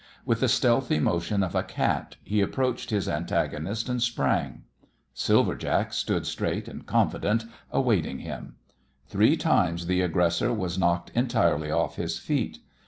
With the stealthy motion of a cat he approached his antagonist, and sprang. Silver Jack stood straight and confident, awaiting him. Three times the aggressor was knocked entirely off his feet.